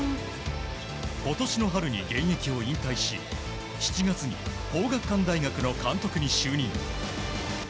今年の春に現役を引退し７月に皇學館大学の監督に就任。